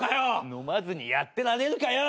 飲まずにやってられるかよ！